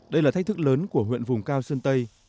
đây là thách thức lớn của huyện vùng cao sơn tây